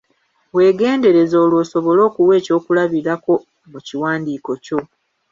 Weegendereze olwo osobole okuwa ekyokulabirako mu kiwandiiko kyo.